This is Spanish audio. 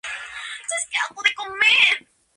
Fueron, sin embargo, sus mejores años como compositor.